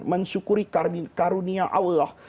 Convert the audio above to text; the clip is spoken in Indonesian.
mensyukuri karunia allah